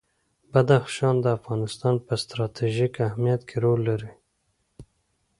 بدخشان د افغانستان په ستراتیژیک اهمیت کې رول لري.